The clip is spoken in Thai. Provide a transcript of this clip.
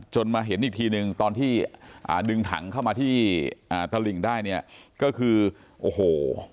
มาเห็นอีกทีนึงตอนที่ดึงถังเข้ามาที่ตลิ่งได้เนี่ยก็คือโอ้โห